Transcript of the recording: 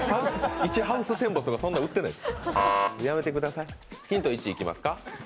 一ハウステンボスとかそんなん売ってないです。